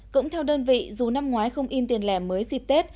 cũng theo đơn vị dù năm ngoái không in tiền lẻ mới dịp tết